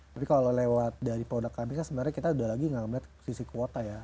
tapi kalau lewat dari produk kami kan sebenarnya kita udah lagi gak melihat sisi kuota ya